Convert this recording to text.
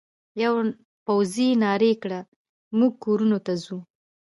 یوه پوځي نارې کړې: موږ کورونو ته ځو.